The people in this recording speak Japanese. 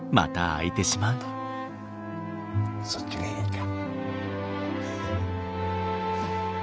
そっちがええか。